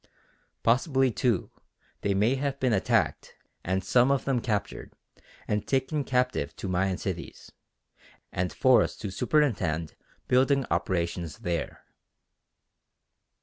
Possibly, too, they may have been attacked and some of them captured and taken captive to Mayan cities, and forced to superintend building operations there.